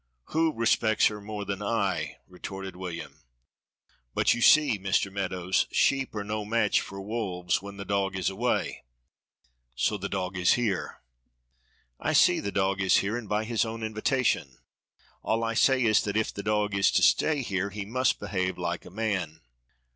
"Who respects her more than I?" retorted William; "but you see, Mr. Meadows, sheep are no match for wolves when the dog is away so the dog is here." "I see the dog is here and by his own invitation; all I say is that if the dog is to stay here he must behave like a man."